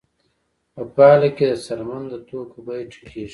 په پایله کې د څرمن د توکو بیه ټیټېږي